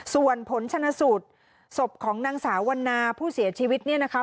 ส่วนผลชนะสูตรศพของนางสาววันนาผู้เสียชีวิตเนี่ยนะคะ